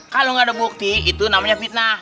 kalau nggak ada bukti itu namanya fitnah